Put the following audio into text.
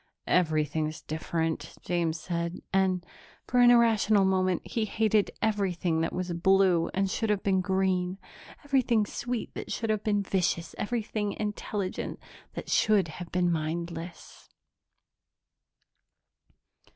"Everything's different," James said and, for an irrational moment, he hated everything that was blue that should have been green, everything sweet that should have been vicious, everything intelligent that should have been mindless.